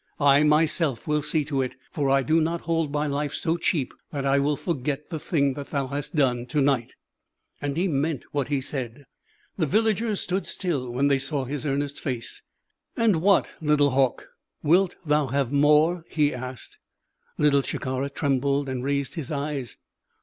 I, myself, will see to it, for I do not hold my life so cheap that I will forget the thing that thou hast done to night." And he meant what he said. The villagers stood still when they saw his earnest face. "And what, little hawk, wilt thou have more?" he asked. Little Shikara trembled and raised his eyes.